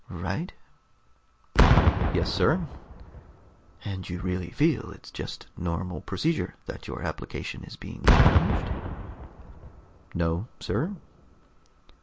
"Right?" "Yes, sir." "And you really feel it's just normal procedure that your application is being challenged?" "No, sir."